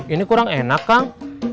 ini kurang enak kang